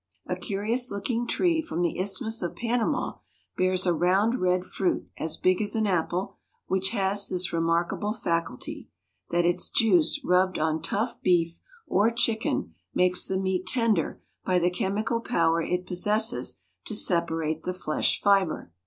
A curious looking tree from the Isthmus of Panama bears a round red fruit as big as an apple, which has this remarkable faculty, that its juice rubbed on tough beef or chicken makes the meat tender by the chemical power it possesses to separate the flesh fiber.